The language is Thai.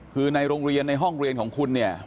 คือในโรงเรียนในห้องเรียนของคุณเนี่ย